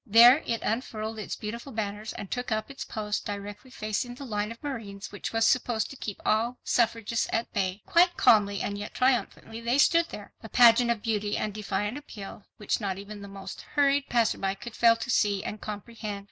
There it unfurled its beautiful banners and took up its post directly facing the line of marines which was supposed to keep all suffragists at bay. Quite calmly and yet triumphantly, they stood there, a pageant of beauty and defiant appeal, which not even the most hurried passerby could fail to see and comprehend.